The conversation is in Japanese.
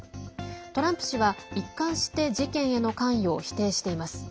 トランプ氏は、一貫して事件への関与を否定しています。